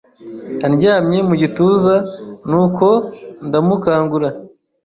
andyamye mugituza nuko ndamukangura